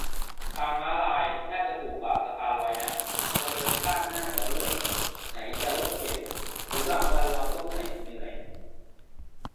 ทางม้าลายน่าจะถูกกว่าสะพานลอยนะ คนเดินข้ามง่ายกว่าด้วย ไหนจะรถเข็น หรือบางวันเราก็เมื่อย เหนื่อย